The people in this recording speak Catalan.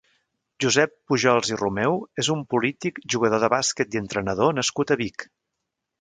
Josep Pujols i Romeu és un polític, jugador de bàsquet i entrenador nascut a Vic.